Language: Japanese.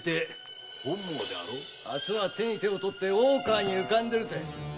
明日は手に手を取って大川に浮かんでるぜ。